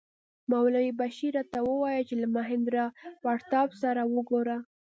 مولوي بشیر راته وویل چې له مهیندراپراتاپ سره وګوره.